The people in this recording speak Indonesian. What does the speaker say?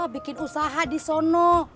bikin usaha di sono